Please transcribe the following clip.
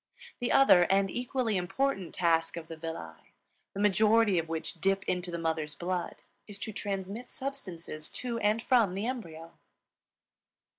The other, and equally important, task of the villi, the majority of which dip into the mother's blood, is to transmit substances to and from the embryo.